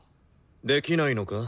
できないのか？